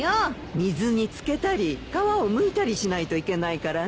水に漬けたり皮をむいたりしないといけないからね。